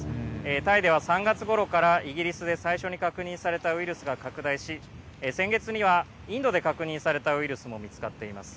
タイでは３月ごろからイギリスで最初に確認されたウイルスが拡大し、先月にはインドで確認されたウイルスも見つかっています。